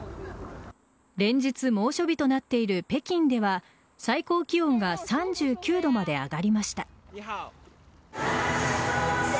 連日、猛暑日となっている北京では最高気温が３９度まで上がりました。